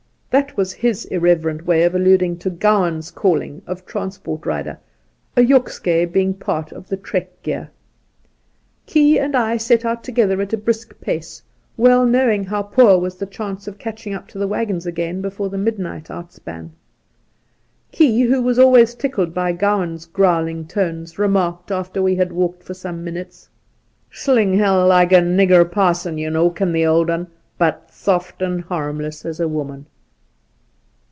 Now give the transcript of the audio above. That was his ir reverent way of alluding to Gowan's calling of trans port rider — a yokeskey being part of the trek gear. Key and I set out together at a brisk pace, well knowing how poor was our chance of catching up to the waggons again before the midnights outspan. Key, who was always tickled by Gowan's growling tones, remarked after we had walked for some minutes : '"Sling hell like a nigger parson, you know, can the old 'un, but soft and harmless as a woman.'